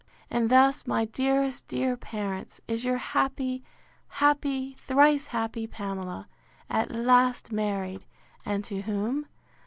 And thus, my dearest, dear parents, is your happy, happy, thrice happy Pamela, at last married; and to whom?